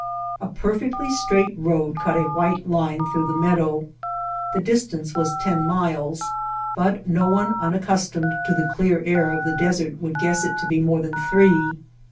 A perfectly straight road cut a white line through the meadow. The distance was ten miles, but no one unaccustomed to the clear air of the desert would guess it to be more than three.